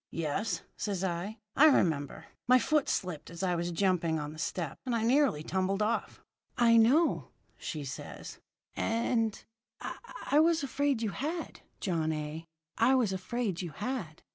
"'Yes,' says I, 'I remember. My foot slipped as I was jumping on the step, and I nearly tumbled off.' "'I know,' says she. 'And and I _I was afraid you had, John A. I was afraid you had.